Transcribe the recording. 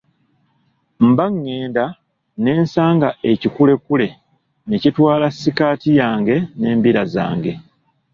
Mba ngenda ne nsanga ekikulekule ne kitwala sikaati yange n'embira zange.